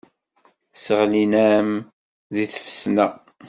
Sseɣlin-am deg tfesna.